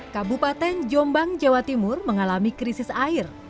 kabupaten jombang jawa timur